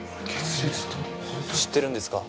知ってるんですか？